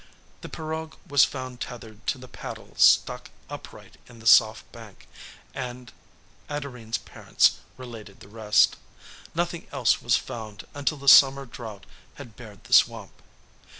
The pirogue was found tethered to the paddle stuck upright in the soft bank, and Adorine's parents related the rest. Nothing else was found until the summer drought had bared the swamp.